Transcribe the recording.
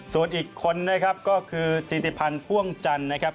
ส่วนอีกคนนะครับก็คือธิติพันธ์พ่วงจันทร์นะครับ